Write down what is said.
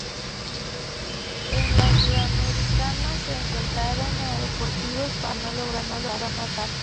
En la Sudamericana se enfrentaron a Deportivo Pasto pero no logró anotar.